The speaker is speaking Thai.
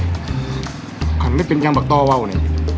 ขาดไปเป็นยังบักต่อเว้าเนี่ย